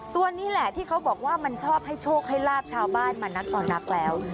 ตัวนี้แหละที่เขาบอกว่ามันชอบให้โชคให้ลาบชาวบ้านมานักต่อนักแล้ว